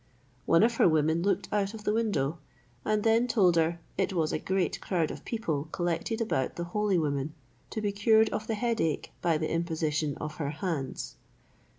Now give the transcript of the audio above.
One of her women looked out of a window, and then told her it was a great crowd of people collected about the holy woman to be cured of the headache by the imposition of her hands.